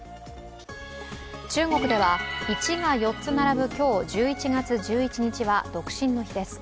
中国では１が４つ並ぶ今日１１月１１日は独身の日です。